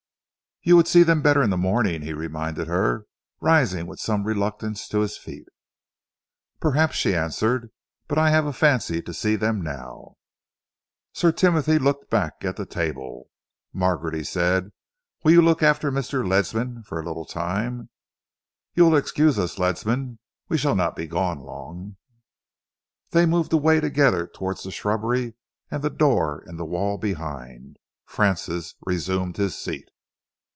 "You would see them better in the morning," he reminded her, rising with some reluctance to his feet. "Perhaps," she answered, "but I have a fancy to see them now." Sir Timothy looked back at the table. "Margaret," he said, "will you look after Mr. Ledsam for a little time? You will excuse us, Ledsam? We shall not be gone long." They moved away together towards the shrubbery and the door in the wall behind. Francis resumed his seat.